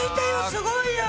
すごいよ！